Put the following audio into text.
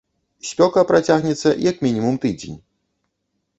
Спёка працягнецца як мінімум тыдзень.